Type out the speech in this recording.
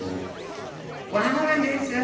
ワンワンです。